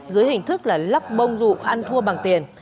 dưới hình thức là lắp bông rụ ăn thua bằng tiền